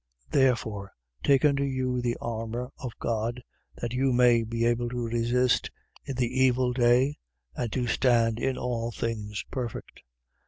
Therefore, take unto you the armour of God, that you may be able to resist in the evil day and to stand in all things perfect.